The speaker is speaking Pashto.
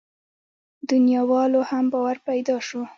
دنياوالو هم باور پيدا شو.